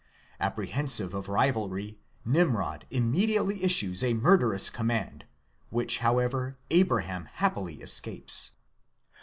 Apprehensive of rivalry, Nimrod immediately issues a mur derous command, which, however, Abraham happily escapes.